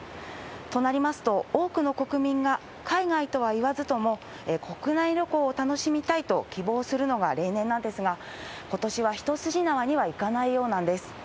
となりますと、多くの国民が海外とはいわずとも、国内旅行を楽しみたいと希望するのが例年なんですが、ことしは一筋縄にはいかないようなんです。